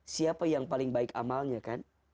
siapa yang paling baik amalnya kan